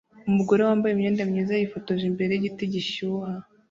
Umugore wambaye imyenda myiza yifotoje imbere yigiti gishyuha